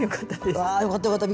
よかったよかった。